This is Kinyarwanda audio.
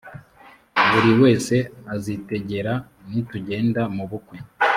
buri wese azitegera nitugenda mu bukwe